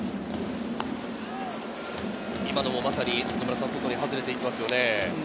今のもまさに外に外れていきますね。